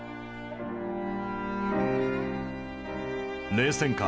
冷戦下